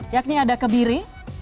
yakni ada kebiri